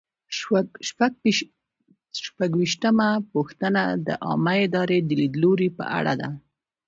شپږویشتمه پوښتنه د عامه ادارې د لیدلوري په اړه ده.